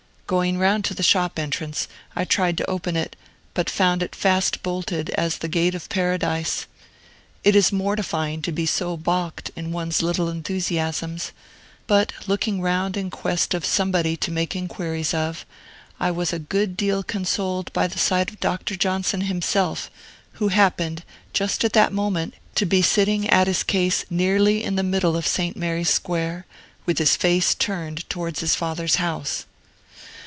Going round to the shop entrance, I tried to open it, but found it as fast bolted as the gate of Paradise. It is mortifying to be so balked in one's little enthusiasms; but looking round in quest of somebody to make inquiries of, I was a good deal consoled by the sight of Dr. Johnson himself, who happened, just at that moment, to be sitting at his case nearly in the middle of St. Mary's Square, with his face turned towards his father's house.